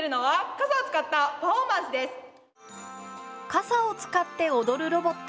傘を使って踊るロボット。